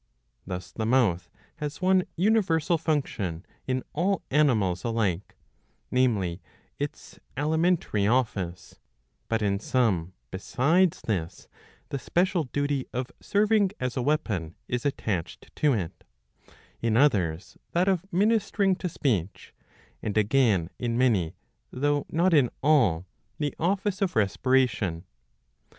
^^ Thus the mouth has one universal function in all animals alike, namely its alimentary office ; but in some, besides this, the special duty of serving as a weapon is attached to it ; in others that of ministering to speech ; and again in many, though not in all, the office of respiration.